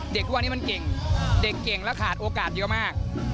ทุกวันนี้มันเก่งเด็กเก่งและขาดโอกาสเยอะมาก